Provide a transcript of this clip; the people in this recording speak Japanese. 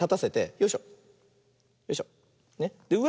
よいしょ。